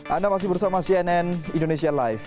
anda masih bersama cnn indonesia live